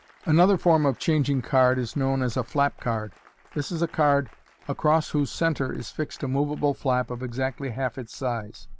Another form of changing card is known as a " flap card." This is a card across whose centre is fixed a moveable flan of exactly half ?ts size.